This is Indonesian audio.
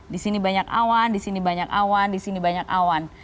di sini banyak awan di sini banyak awan di sini banyak awan